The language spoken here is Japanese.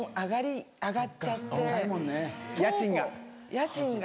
家賃が。